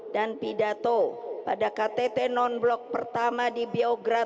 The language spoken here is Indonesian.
dan pidato pada ktt non blok pertama di biograd